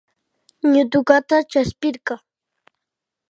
Ñutukata chaspirka